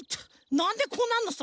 なんでこうなんのさ？